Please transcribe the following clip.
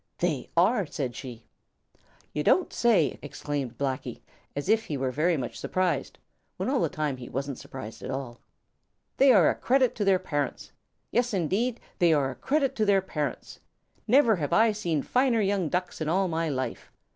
"They are," said she. "You don't say so!" exclaimed Blacky, as if he were very much surprised, when all the time he wasn't surprised at all. "They are a credit to their parents. Yes, indeed, they are a credit to their parents. Never have I seen finer young Ducks in all my life.